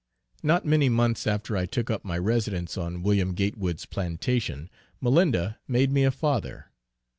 Not many months after I took up my residence on Wm. Gatewood's plantation, Malinda made me a father.